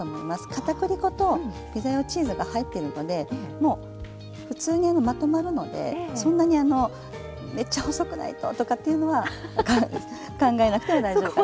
片栗粉とピザ用チーズが入ってるのでもう普通にまとまるのでそんなにめっちゃ細くないと！とかっていうのは考えなくても大丈夫かなと。